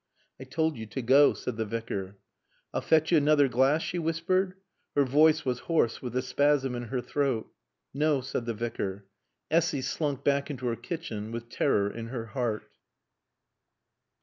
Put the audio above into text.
"I told you to go," said the Vicar. "I'll fetch yo anoother glass?" she whispered. Her voice was hoarse with the spasm in her throat. "No," said the Vicar. Essy slunk back into her kitchen with terror in her heart.